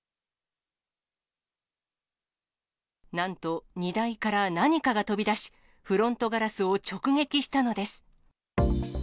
なんと、荷台から何かが飛び出し、フロントガラスを直撃したのです。